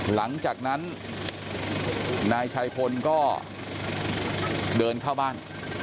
หลังจากนั้นนายชัยพลก็เดินเข้าบ้าน